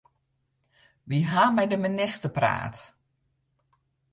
Wy hawwe mei de minister praat.